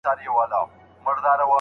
زما په غاړه یې دا تروم را ځړولی